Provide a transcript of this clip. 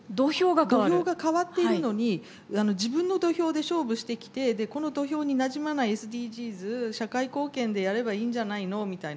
土俵が変わっているのに自分の土俵で勝負してきてこの土俵になじまないＳＤＧｓ社会貢献でやればいいんじゃないのみたいな。